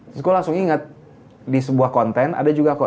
terus gue langsung inget di sebuah konten ada juga kok